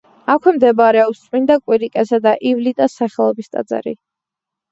აქვე მდებარეობს წმინდა კვირიკესა და ივლიტას სახელობის ტაძარი.